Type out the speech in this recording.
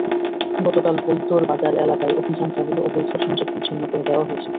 গতকাল বৈদ্যেরবাজার এলাকায় অভিযান চালিয়ে অবৈধ সংযোগ বিচ্ছিন্ন করে দেওয়া হয়েছে।